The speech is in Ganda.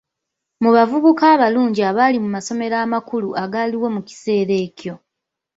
Mu bavubuka abalungi abaali mu masomero amakulu agaaliwo mu kiseera ekyo.